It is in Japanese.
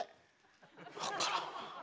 ⁉分からんわ。